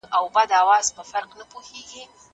بهرنۍ تګلاره بې له انعطاف څخه سمون نه خوري.